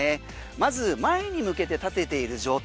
まず前に向けて立てている状態。